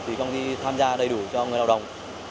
thì công ty tham gia đầy đủ cho người lao động